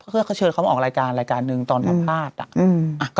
เขาเชิญเขามาออกรายการรายการหนึ่งตอนพรรภาพ